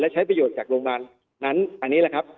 ใช้ประโยชน์จากโรงพยาบาลนั้นอันนี้แหละครับ